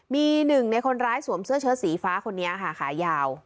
มีหนึ่งในคนร้ายสวมเสื้อเชิดสีฟ้าคนนี้ค่ะขายาว